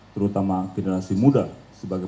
terutama generasi muda sebagai